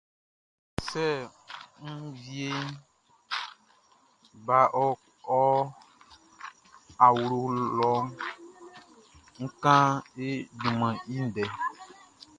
Sɛ n wieʼn ń bá ɔ awlo lɔ ń kán e junmanʼn i ndɛ.